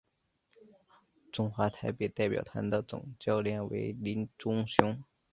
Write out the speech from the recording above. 中华台北代表团的总教练为林忠雄。